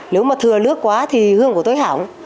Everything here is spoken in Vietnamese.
nếu mà thừa lướt quá thì hương của tôi hỏng